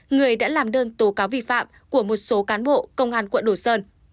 người đã làm đơn tố cáo vi phạm của một số cán bộ công an quận đồ sơn